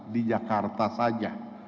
di jakarta saja